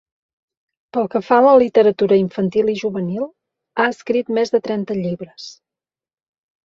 Pel que fa a la literatura infantil i juvenil ha escrit més de trenta llibres.